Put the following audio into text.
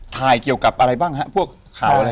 ถ่ายเกี่ยวกับอะไรบ้างฮะพวกข่าวอะไร